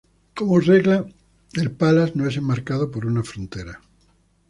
Como regla, el palas no es enmarcado por una frontera.